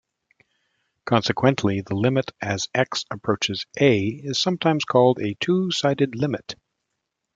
Consequently, the limit as "x" approaches "a" is sometimes called a "two-sided limit".